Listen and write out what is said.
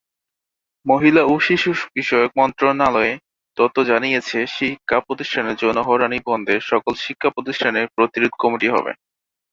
মহিলা ও শিশু বিষয়ক মন্ত্রণালয়ের তথ্য জানিয়েছে শিক্ষা প্রতিষ্ঠানে যৌন হয়রানি বন্ধে সকল শিক্ষা প্রতিষ্ঠানে প্রতিরোধ কমিটি হবে।